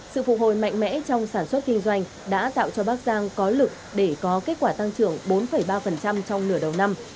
sự phục hồi mạnh mẽ trong sản xuất kinh doanh đã tạo cho bắc giang có lực để có kết quả tăng trưởng bốn ba trong nửa đầu năm